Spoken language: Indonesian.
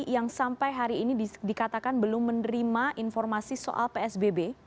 yang sampai hari ini dikatakan belum menerima informasi soal psbb